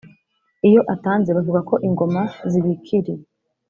Iyo atanze bavuga ko Ingoma Zibikiriye